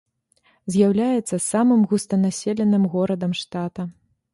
З'яўляецца самым густанаселеным горадам штата.